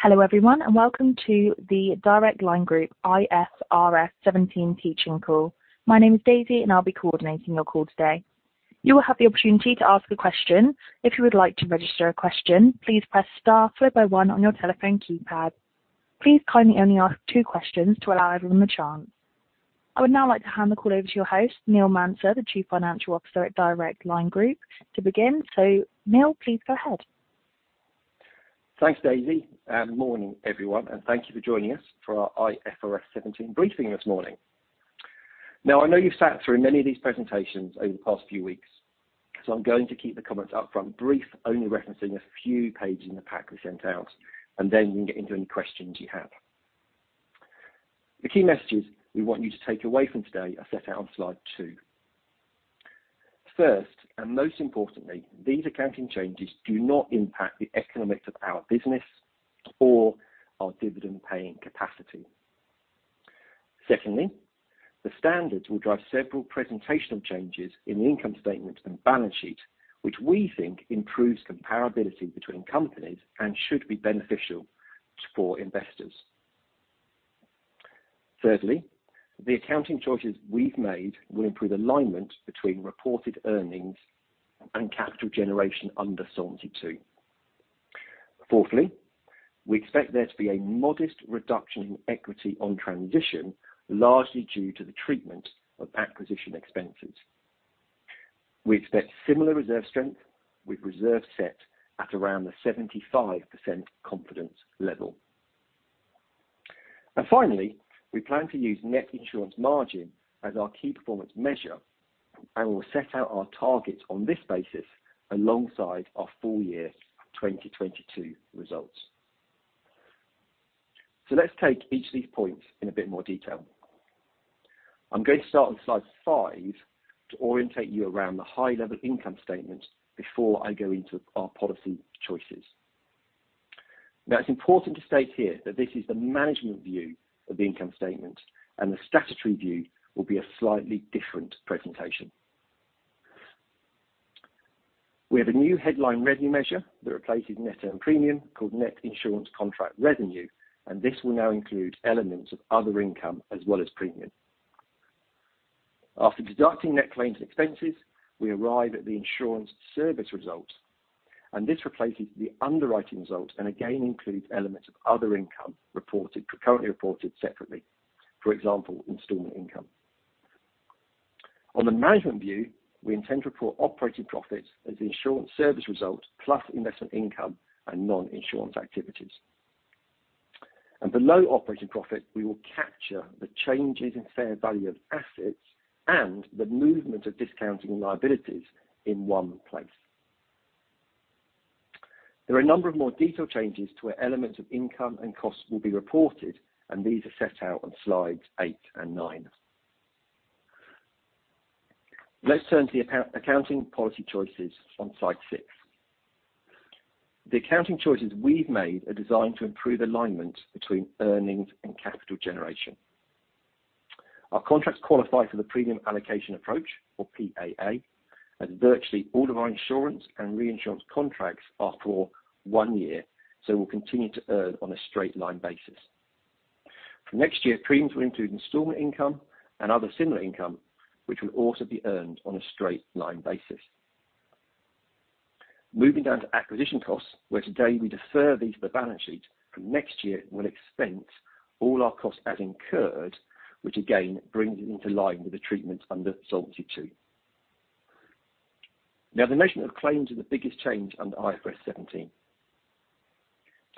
Hello, everyone, and welcome to the Direct Line Group IFRS 17 teaching call. My name is Daisy, and I'll be coordinating your call today. You will have the opportunity to ask a question. If you would like to register a question, please press star one on your telephone keypad. Please kindly only ask two questions to allow everyone the chance. I would now like to hand the call over to your host, Neil Manser, the Chief Financial Officer at Direct Line Group to begin. Neil, please go ahead. Thanks, Daisy, and morning, everyone, and thank you for joining us for our IFRS 17 briefing this morning. Now, I know you've sat through many of these presentations over the past few weeks, so I'm going to keep the comments up front brief, only referencing a few pages in the pack we sent out, and then we can get into any questions you have. The key messages we want you to take away from today are set out on slide two. First, and most importantly, these accounting changes do not impact the economics of our business or our dividend paying capacity. Secondly, the standards will drive several presentational changes in the income statement and balance sheet, which we think improves comparability between companies and should be beneficial for investors. Thirdly, the accounting choices we've made will improve alignment between reported earnings and capital generation under Solvency II. Fourthly, we expect there to be a modest reduction in equity on transition, largely due to the treatment of acquisition expenses. We expect similar reserve strength with reserves set at around the 75% confidence level. Finally, we plan to use net insurance margin as our key performance measure, and we'll set out our targets on this basis alongside our full-year 2022 results. Let's take each of these points in a bit more detail. I'm going to start on slide five to orientate you around the high-level income statement before I go into our policy choices. It's important to state here that this is the management view of the income statement, and the statutory view will be a slightly different presentation. We have a new headline revenue measure that replaces net earned premium called net insurance contract revenue. This will now include elements of other income as well as premium. After deducting net claims expenses, we arrive at the Insurance Service Results. This replaces the underwriting results and again includes elements of other income currently reported separately, for example, installment income. On the management view, we intend to report operating profits as the insurance service result plus investment income and non-insurance activities. Below operating profit, we will capture the changes in fair value of assets and the movement of discounting liabilities in one place. There are a number of more detailed changes to where elements of income and costs will be reported. These are set out on slides eight and nine. Let's turn to the accounting policy choices on slide six. The accounting choices we've made are designed to improve alignment between earnings and capital generation. Our contracts qualify for the Premium Allocation Approach or PAA, as virtually all of our insurance and reinsurance contracts are for one year, we'll continue to earn on a straight line basis. For next year, premiums will include installment income and other similar income, which will also be earned on a straight line basis. Moving down to acquisition costs, where today we defer these to the balance sheet. For next year, we'll expense all our costs as incurred, which again brings it into line with the treatment under Solvency II. The nation of claims are the biggest change under IFRS 17.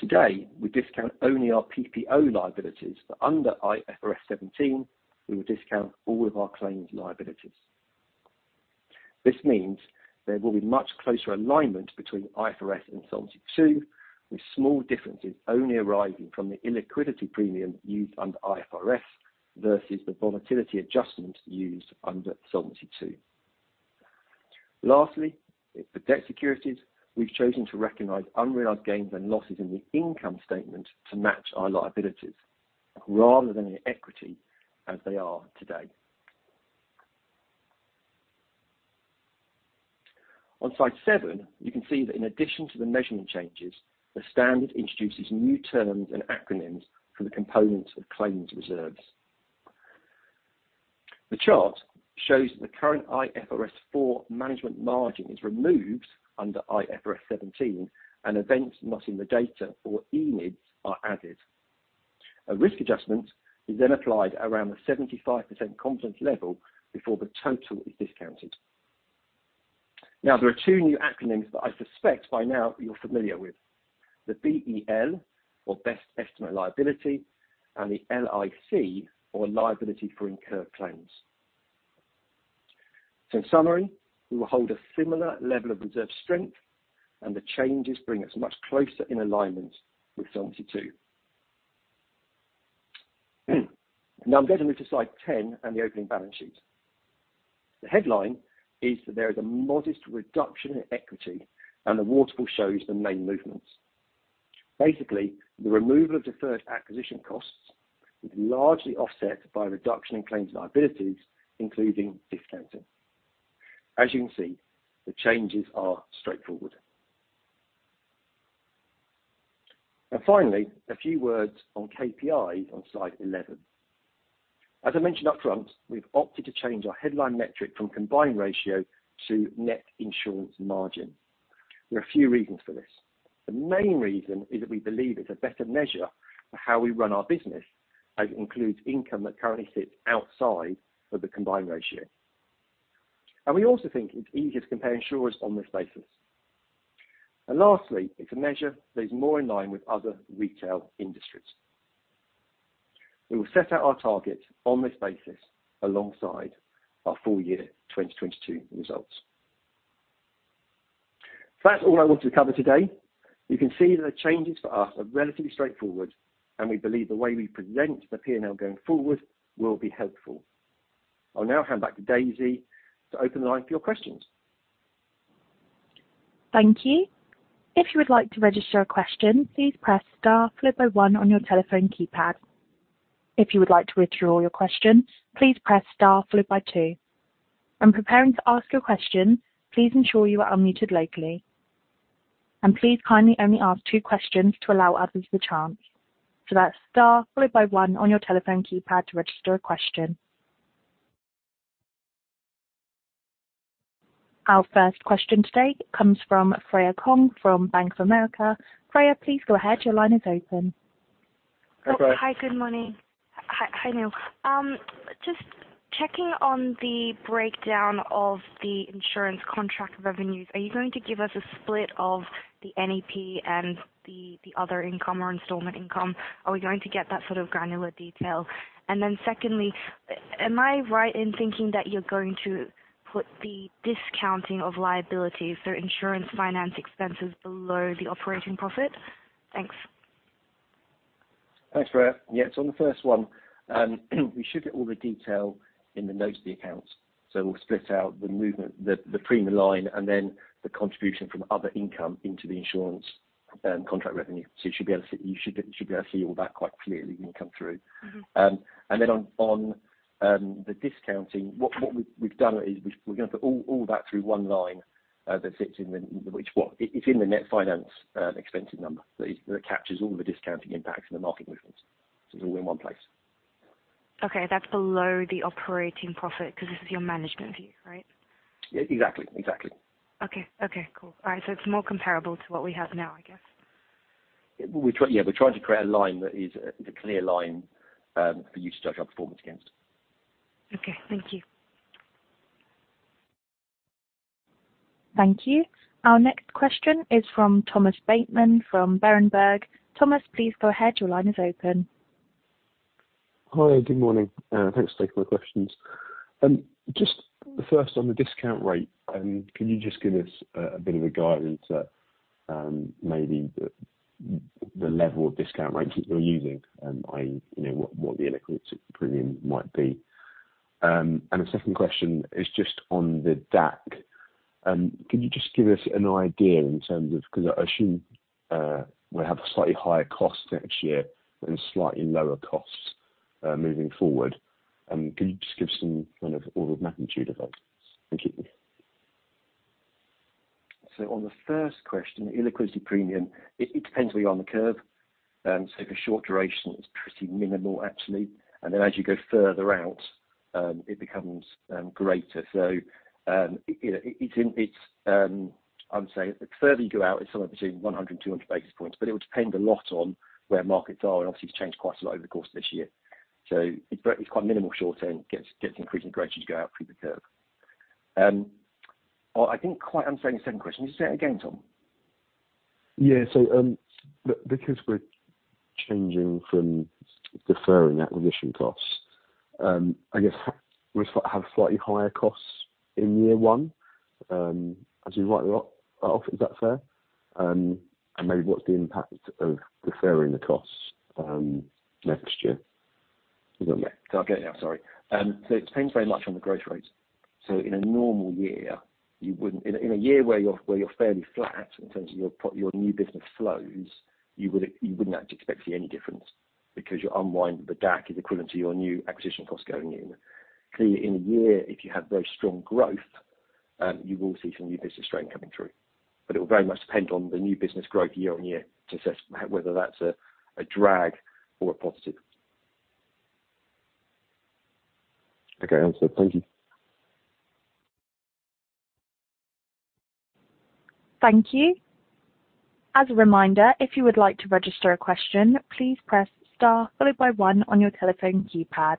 Today, we discount only our PPO liabilities, under IFRS 17, we will discount all of our claims liabilities. This means there will be much closer alignment between IFRS and Solvency II, with small differences only arising from the illiquidity premium used under IFRS versus the volatility adjustment used under Solvency II. For debt securities, we've chosen to recognize unrealized gains and losses in the income statement to match our liabilities rather than in equity as they are today. On slide seven, you can see that in addition to the measurement changes, the standard introduces new terms and acronyms for the components of claims reserves. The chart shows that the current IFRS 4 management margin is removed under IFRS 17 and Events Not In the Data or ENIDs are added. A risk adjustment is then applied around the 75% confidence level before the total is discounted. There are two new acronyms that I suspect by now you're familiar with, the BEL or best estimate liability and the LIC or liability for incurred claims. In summary, we will hold a similar level of reserve strength and the changes bring us much closer in alignment with Solvency II. I'm going to move to slide 10 and the opening balance sheet. The headline is that there is a modest reduction in equity and the waterfall shows the main movements. The removal of deferred acquisition costs is largely offset by a reduction in claims liabilities, including discounting. As you can see, the changes are straightforward. Finally, a few words on KPI on slide 11. As I mentioned up front, we've opted to change our headline metric from combined ratio to net insurance margin. There are a few reasons for this. The main reason is that we believe it's a better measure of how we run our business, as it includes income that currently sits outside of the combined ratio. We also think it's easier to compare insurers on this basis. Lastly, it's a measure that is more in line with other retail industries. We will set out our targets on this basis alongside our full-year 2022 results. That's all I want to cover today. You can see that the changes for us are relatively straightforward, and we believe the way we present the P&L going forward will be helpful. I'll now hand back to Daisy to open the line for your questions. Thank you. If you would like to register a question, please press star followed by one on your telephone keypad. If you would like to withdraw your question, please press star followed by two. When preparing to ask your question, please ensure you are unmuted locally. Please kindly only ask two questions to allow others the chance. That's star followed by one on your telephone keypad to register a question. Our first question today comes from Freya Kong from Bank of America. Freya, please go ahead. Your line is open. Freya. Hi, good morning. Hi, Neil. Just checking on the breakdown of the insurance contract revenues. Are you going to give us a split of the NEP and the other income or installment income? Are we going to get that sort of granular detail? Secondly, am I right in thinking that you're going to put the discounting of liabilities for insurance finance expenses below the operating profit? Thanks. Thanks, Freya. Yes, on the first one, we should get all the detail in the notes of the accounts. We'll split out the movement, the premium line, and then the contribution from other income into the insurance, contract revenue. You should be able to see, you should be able to see all that quite clearly when we come through. Mm-hmm. Then on the discounting, what we've done is we're gonna put all that through one line. It's in the net finance expenses number. That captures all the discounting impacts in the market movements. It's all in one place. Okay, that's below the operating profit because this is your management view, right? Yeah. Exactly. Exactly. Okay. Okay, cool. All right. It's more comparable to what we have now, I guess. Yeah, we're trying to create a line that is a clear line, for you to judge our performance against. Okay, thank you. Thank you. Our next question is from Thomas Bateman from Berenberg. Thomas, please go ahead. Your line is open. Hi, good morning. Thanks for taking my questions. Just the first on the discount rate. Can you just give us a bit of a guidance that maybe the level of discount rates that you're using? You know, what the illiquidity premium might be? The second question is just on the DAC. Can you just give us an idea in terms of 'cause I assume, we'll have a slightly higher cost next year and slightly lower costs moving forward. Can you just give some kind of order of magnitude of that? Thank you. On the first question, illiquidity premium, it depends where you are on the curve. For short duration, it's pretty minimal actually. As you go further out, it becomes greater. It's, I would say the further you go out, it's somewhere between 100 basis points and 200 basis points, but it would depend a lot on where markets are, and obviously it's changed quite a lot over the course of this year. It's very, quite minimal short term. Gets increasingly greater as you go out through the curve. I didn't quite understand the second question. Can you say it again, Tom? Yeah. Because we're changing from deferring acquisition costs, I guess we have slightly higher costs in year one, as you write them off. Is that fair? Maybe what's the impact of deferring the costs, next year? Yeah. I get you. I'm sorry. It depends very much on the growth rates. In a normal year, you wouldn't. In a year where you're fairly flat in terms of your new business flows, you wouldn't actually expect to see any difference because you unwind the DAC is equivalent to your new acquisition costs going in. Clearly, in a year, if you have very strong growth, you will see some new business strain coming through. It will very much depend on the new business growth year on year to assess whether that's a drag or a positive. Okay, answered. Thank you. Thank you. As a reminder, if you would like to register a question, please press Star followed by one on your telephone keypad.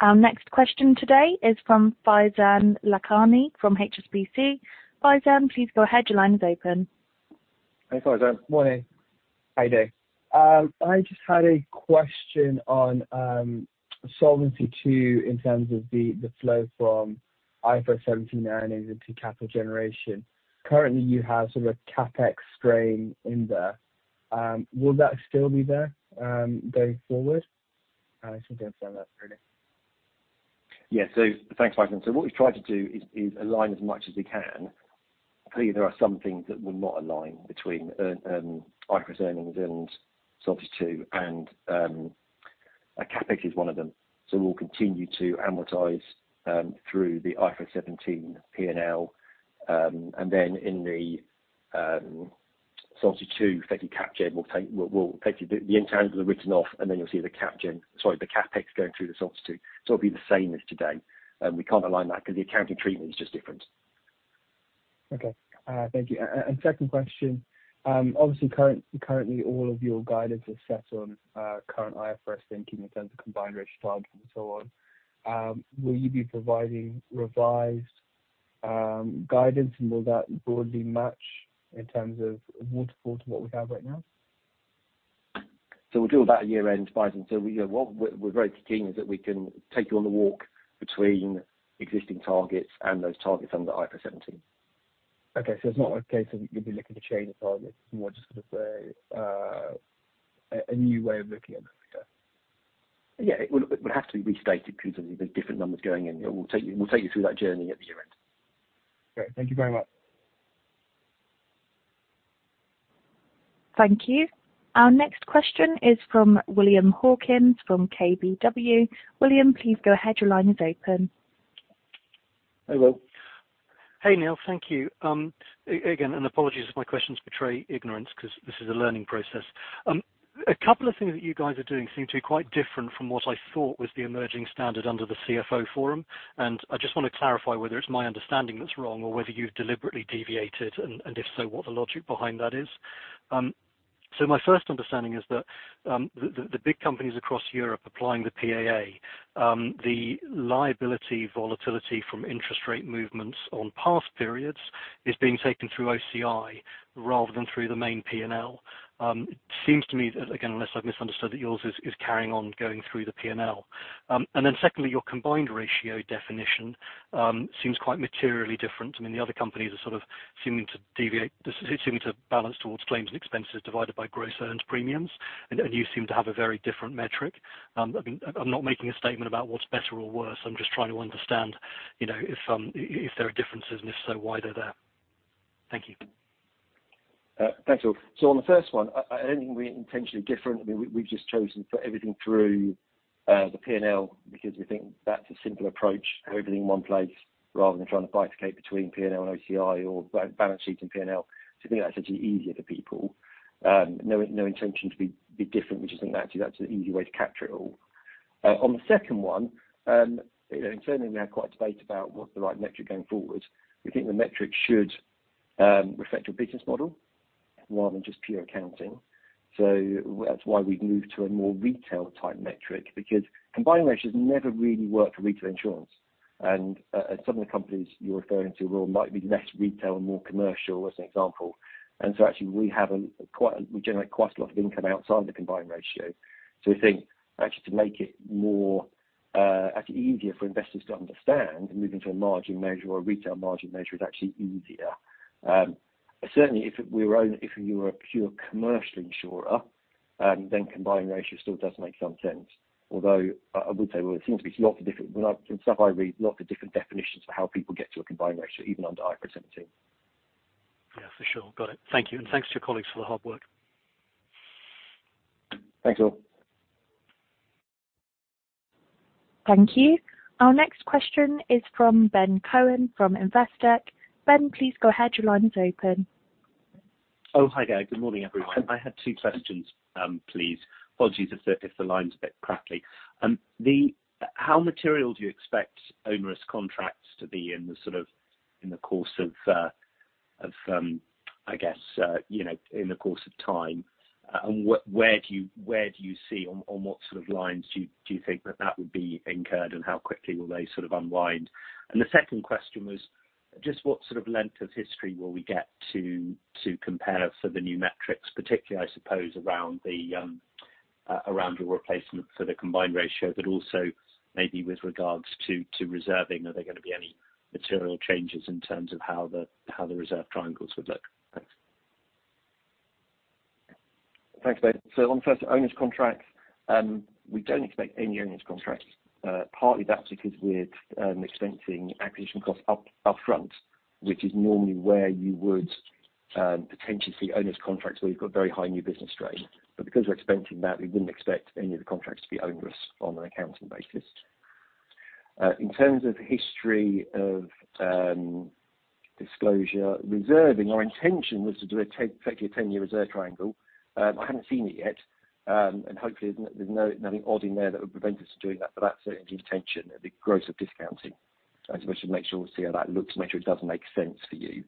Our next question today is from Faizan Lakhani from HSBC. Faizan, please go ahead. Your line is open. Hi, Faizan. Morning. How are you doing? I just had a question on Solvency II in terms of the flow from IFRS 17 now into capital generation. Currently, you have sort of a CapEx strain in there. Will that still be there, going forward? I just want to understand that clearly. Thanks, Michael. What we've tried to do is align as much as we can. Clearly, there are some things that will not align between IFRS earnings and Solvency II. Our CapEx is one of them. We'll continue to amortize through the IFRS 17 P&L. In the Solvency II effective CapEx, we'll take you the internals are written off, and then you'll see the CapEx going through the Solvency II. It'll be the same as today. We can't align that because the accounting treatment is just different. Okay. Thank you. Second question, obviously currently all of your guidance is set on current IFRS thinking in terms of combined ratio targets and so on. Will you be providing revised guidance and will that broadly match in terms of waterfall to what we have right now? We'll do all that at year-end, Faizan. We go, what we're very keen is that we can take you on the walk between existing targets and those targets under IFRS 17. Okay. It's not a case of you'll be looking to change the targets. It's more just sort of a new way of looking at them. Yeah. Yeah. It would have to be restated because of the different numbers going in. We'll take you through that journey at the year-end. Great. Thank you very much. Thank you. Our next question is from William Hawkins from KBW. William, please go ahead. Your line is open. Hello. Hey, Neil, thank you. Again, apologies if my questions betray ignorance because this is a learning process. A couple of things that you guys are doing seem to be quite different from what I thought was the emerging standard under the CFO Forum. I just want to clarify whether it's my understanding that's wrong or whether you've deliberately deviated, and if so, what the logic behind that is. My first understanding is that the big companies across Europe applying the PAA, the liability volatility from interest rate movements on past periods is being taken through OCI rather than through the main P&L. It seems to me that, again, unless I've misunderstood, that yours is carrying on going through the P&L. Secondly, your combined ratio definition seems quite materially different. I mean, the other companies are sort of seeming to deviate. They seem to balance towards claims and expenses divided by gross earned premiums. You seem to have a very different metric. I mean, I'm not making a statement about what's better or worse. I'm just trying to understand, you know, if there are differences, and if so, why they're there. Thank you. Thanks, Will. On the first one, I don't think we're intentionally different. I mean, we've just chosen to put everything through the P&L because we think that's a simpler approach. Have everything in one place rather than trying to bifurcate between P&L and OCI or balance sheet and P&L. I think that's actually easier for people. No, no intention to be different. We just think actually that's an easier way to capture it all. On the second one, you know, internally we now quite debate about what the right metric going forward. We think the metric should reflect your business model rather than just pure accounting. That's why we've moved to a more retail type metric, because combined ratios never really worked for retail insurance. Some of the companies you're referring to will might be less retail and more commercial, as an example. Actually we have, we generate quite a lot of income outside the combined ratio. We think actually to make it more, actually easier for investors to understand, moving to a margin measure or a retail margin measure is actually easier. Certainly if you were a pure commercial insurer, then combined ratio still does make some sense. Although I would say, well, it seems to be lots of different. From stuff I read, lots of different definitions for how people get to a combined ratio, even under IFRS 17. Yeah, for sure. Got it. Thank you. Thanks to your colleagues for the hard work. Thanks, Will. Thank you. Our next question is from Ben Cohen from Investec. Ben, please go ahead. Your line is open. Hi there. Good morning, everyone. I had two questions, please. Apologies if the line's a bit crackly. How material do you expect onerous contracts to be in the sort of, in the course of, you know, in the course of time? Where do you see on what sort of lines do you think that would be incurred and how quickly will they sort of unwind? The second question was just what sort of length of history will we get to compare for the new metrics, particularly, I suppose, around your replacement for the combined ratio, but also maybe with regards to reserving? Are there gonna be any material changes in terms of how the reserve triangles would look? Thanks. Thanks, Ben. On first onerous contracts, we don't expect any onerous contracts. Partly that's because we're expensing acquisition costs upfront, which is normally where you would potentially see onerous contracts, where you've got very high new business growth. Because we're expensing that, we wouldn't expect any of the contracts to be onerous on an accounting basis. In terms of history of disclosure reserving, our intention was to do effectively a 10 year reserve triangle. I haven't seen it yet. Hopefully there's no nothing odd in there that would prevent us doing that, but that's certainly the intention. It'd be gross of discounting. We should make sure we see how that looks, make sure it does make sense for you.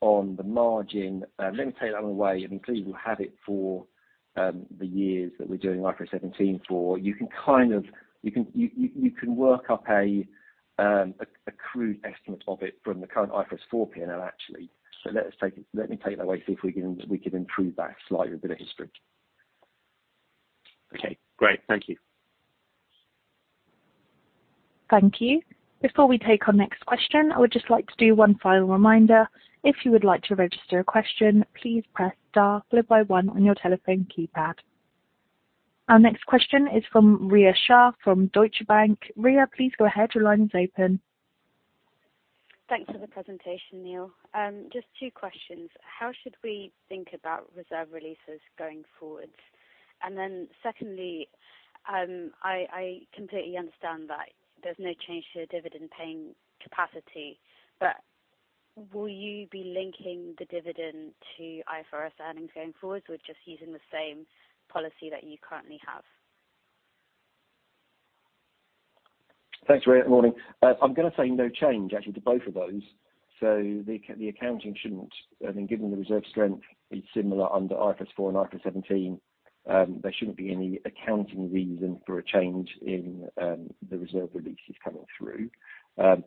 On the margin, let me take that one away. I mean, clearly we'll have it for, the years that we're doing IFRS 17 for. You can kind of, You can work up a crude estimate of it from the current IFRS 4 P&L actually. Let me take that away, see if we can, we can improve that slightly with a bit of history. Okay, great. Thank you. Thank you. Before we take our next question, I would just like to do one final reminder. If you would like to register a question, please press star followed by one on your telephone keypad. Our next question is from Rhea Shah from Deutsche Bank. Rhea, please go ahead. Your line is open. Thanks for the presentation, Neil. Just two questions. How should we think about reserve releases going forward? Secondly, I completely understand that there's no change to your dividend paying capacity. Will you be linking the dividend to IFRS earnings going forward, or just using the same policy that you currently have? Thanks, Rhea. Morning. I'm gonna say no change actually to both of those. I mean, given the reserve strength is similar under IFRS 4 and IFRS 17, there shouldn't be any accounting reason for a change in the reserve releases coming through. On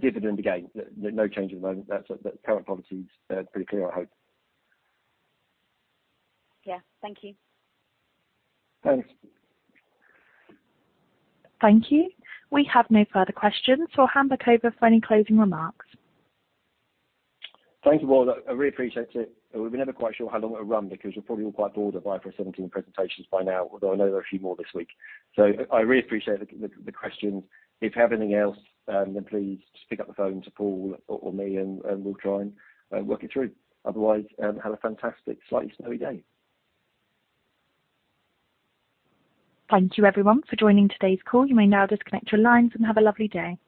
dividend, again, no change at the moment. That's, the current policy is pretty clear, I hope. Yeah. Thank you. Thanks. Thank you. We have no further questions. I'll hand back over for any closing remarks. Thank you all. I really appreciate it. We're never quite sure how long it'll run because you're probably all quite bored of IFRS 17 presentations by now, although I know there are a few more this week. I really appreciate the questions. If you have anything else, then please just pick up the phone to Paul or me and we'll try and work it through. Otherwise, have a fantastic, slightly snowy day. Thank you everyone for joining today's call. You may now disconnect your lines and have a lovely day.